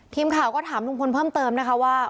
ทีมข่าวก็ถามลุงพลเพิ่มเติมนะคะว่า